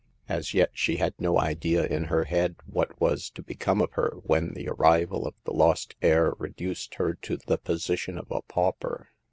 As yet she had no idea in her head what was to become of her when the arrival of the lost heir reduced her to the position of a pauper.